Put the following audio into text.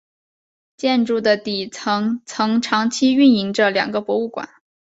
建筑的底层曾长期运营着两个博物馆。